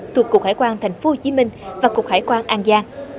thuộc cục hải quan tp hcm và cục hải quan an giang